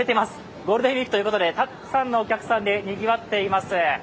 ゴールデンウイークということでたくさんのお客さんでにぎわっています。